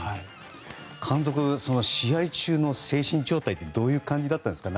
監督は試合中の精神状態どういう感じだったんですか？